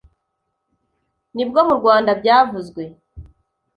nibwo mu Rwanda byavuzwe